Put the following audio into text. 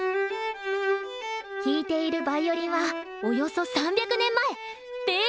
弾いているヴァイオリンはおよそ３００年前べー